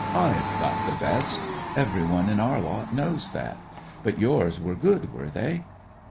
I've got the best; everyone in our lot knows that. But yours were good, were they